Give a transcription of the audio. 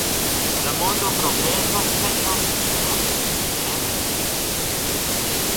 La mondo progresas kaj ŝanĝiĝas, ĉu ne?